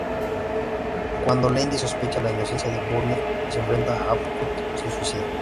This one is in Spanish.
Cuando Landy sospecha la inocencia de Bourne y se enfrenta a Abbott, se suicida.